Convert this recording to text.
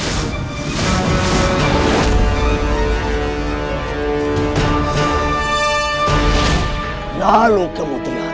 berhasil menutup praden walau susah sampai pingsan